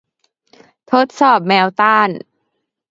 ทดสอบแมวต้าน